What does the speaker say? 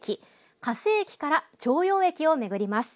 加勢駅から長陽駅を巡ります。